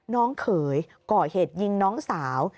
น้องเขยก่อเหตุยิงน้องสาว